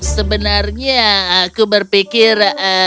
sebenarnya aku berpikir